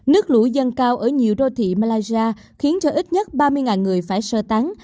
nước lũ dâng cao ở nhiều đô thị malaysia khiến cho ít nhất ba mươi người phải sơ tán